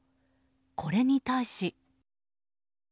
これに対し。